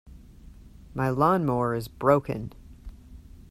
My lawn-mower is broken.